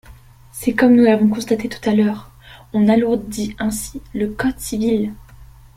Comme nous l’avons constaté tout à l’heure, on alourdit ainsi le code civil.